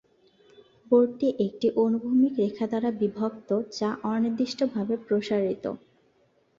বোর্ডটি একটি অনুভূমিক রেখা দ্বারা বিভক্ত যা অনির্দিষ্টভাবে প্রসারিত।